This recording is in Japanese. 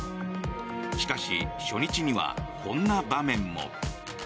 しかし、初日にはこんな場面も。